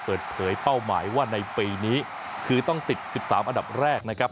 เป้าหมายว่าในปีนี้คือต้องติด๑๓อันดับแรกนะครับ